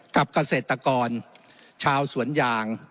เกษตรกรชาวสวนยาง